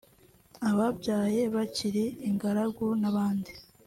ababyaye bakiri ingaragu n’abandi…